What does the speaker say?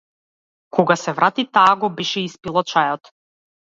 Кога се врати таа го беше испила чајот.